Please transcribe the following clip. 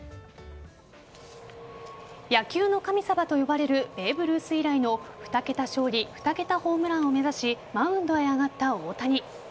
野球の神様と呼ばれるベーブ・ルース以来の２桁勝利２桁ホームランを目指しマウンドへ上がった大谷。